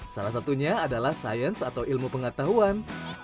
salah satunya adalah sains atau ilmu pengetahuan